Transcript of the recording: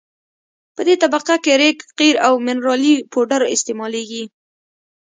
په دې طبقه کې ریګ قیر او منرالي پوډر استعمالیږي